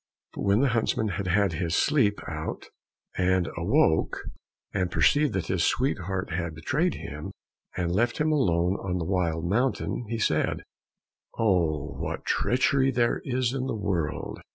But when the huntsman had had his sleep out and awoke, and perceived that his sweetheart had betrayed him, and left him alone on the wild mountain, he said, "Oh, what treachery there is in the world!"